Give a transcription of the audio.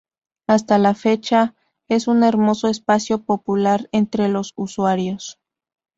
Hasta la fecha, es un hermoso espacio popular entre los usuarios.